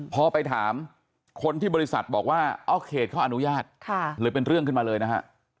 พอไปถามคนที่บริษัทบอกว่าอ๋อเขตเขาอนุญาตเลยเป็นเรื่องขึ้นมาเลยนะฮะ